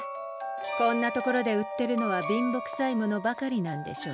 こんな所で売ってるのは貧乏くさいものばかりなんでしょうねえ。